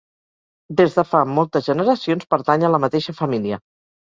Des de fa moltes generacions pertany a la mateixa família.